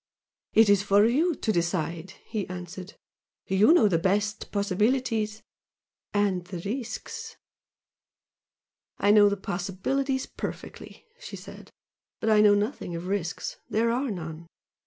"It is for you to decide" he answered "You know best the possibilities and the risks " "I know the possibilities perfectly," she said "But I know nothing of risks there are none.